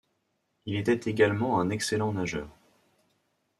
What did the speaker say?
Il était également un excellent nageur.